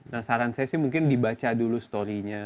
nah saran saya sih mungkin dibaca dulu story nya